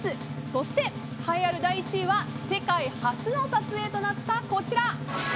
そして、栄えある第１位は世界初の撮影となったこちら。